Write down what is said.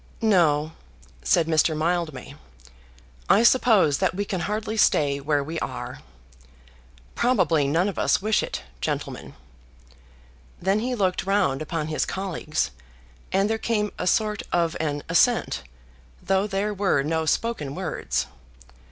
"No," said Mr. Mildmay; "I suppose that we can hardly stay where we are. Probably none of us wish it, gentlemen." Then he looked round upon his colleagues, and there came a sort of an assent, though there were no spoken words.